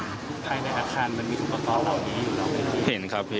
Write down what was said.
ในอาคารมันมีอุปกรณ์เหล่านี้อยู่หรือ